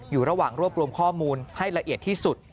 อยู่ระหว่างรวบรวมข้อมูลให้ละเอียดที่สุด